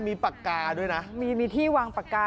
ก็เขียนอีกของอันเดิมประมาณสี่หมื่นนะ